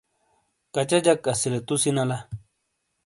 کَچہ جَک اَسِیلے تُو سی نَلا؟